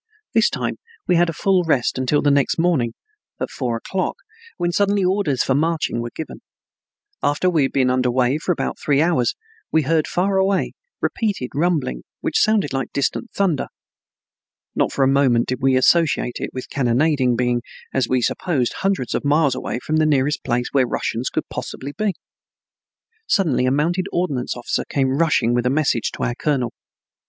This time we had a full rest until the next morning at four o'clock, when suddenly orders for marching were given. After we had been under way for about three hours we heard far away, repeated rumbling which sounded like distant thunder. Not for a moment did we associate it with cannonading, being, as we supposed, hundreds of miles away from the nearest place where Russians could possibly be. Suddenly a mounted ordnance officer came rushing with a message to our colonel.